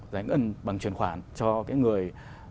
giải ngân bằng truyền khoản cho cái người